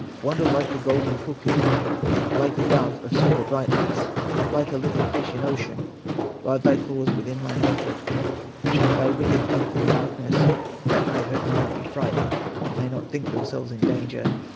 "Wander like the golden cuckoo, Like the dove of silver brightness, Like a little fish in ocean; Hide thy claws within thy hair foot, Shut thy wicked teeth in darkness, That my herd may not be frightened, May not think themselves in danger.